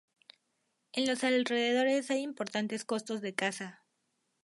En los alrededores hay importantes cotos de caza.